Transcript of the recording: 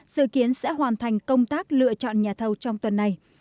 dự kiến sẽ hoàn thành công tác lựa chọn nhà thầu trong tuần này